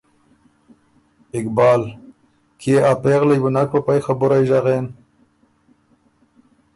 اقبال: کيې ا پېغلئ بُو نک په پئ خبُرئ ژغېن؟